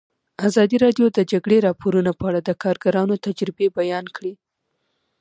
ازادي راډیو د د جګړې راپورونه په اړه د کارګرانو تجربې بیان کړي.